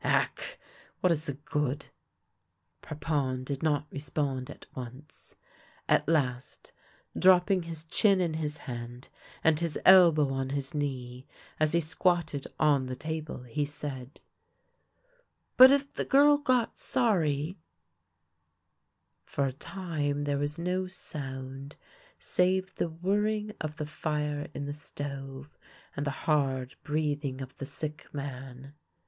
Ack ! what is the good ?" Parpon did not respond at once. At last, dropping his chin in his hand and his elbow on his knee, as he squatted on the table, he said :" But if the girl got sorry " For a time there was no sound save the whirring of the fire in the stove and the hard breathing of the sick man.